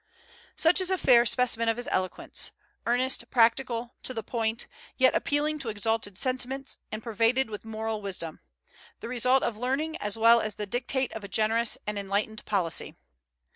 Such is a fair specimen of his eloquence, earnest, practical, to the point, yet appealing to exalted sentiments, and pervaded with moral wisdom; the result of learning as well as the dictate of a generous and enlightened policy.